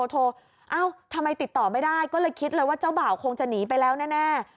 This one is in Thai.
เอ้าทำไมติดต่อไม่ได้ก็เลยคิดเลยว่าเจ้าบ่าวคงจะหนีไปแล้วแน่